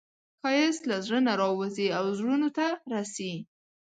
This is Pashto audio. ښایست له زړه نه راوځي او زړونو ته رسي